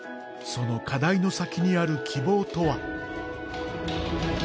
その課題の先にある希望とは。